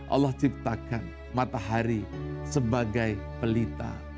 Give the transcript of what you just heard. allah ciptakan matahari sebagai pelita